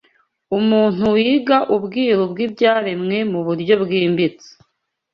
Umuntu wiga ubwiru bw’ibyaremwe mu buryo bwimbitse